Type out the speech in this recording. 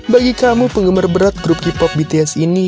dari suku mereka sudah antri